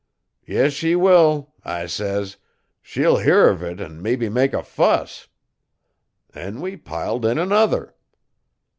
"Yis she will," I says, "she'll hear uv it an' mebbe make a fuss." Then we piled in another.